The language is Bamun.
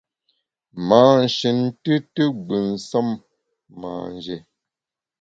Mâ shin tùtù gbù nsem manjé.